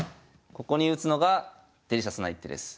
ここに打つのがデリシャスな一手です。